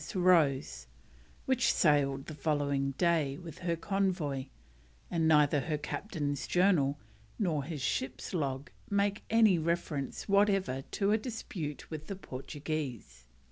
M.S. Rose, which sailed the following day with her convoy, and neither her Captain's Journal nor his ship's log make any reference whatever to a dispute with the Portuguese.